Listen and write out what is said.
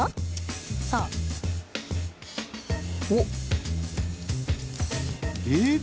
さあ。おっ？